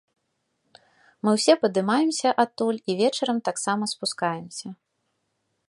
Мы ўсе падымаемся адтуль, і вечарам таксама спускаемся.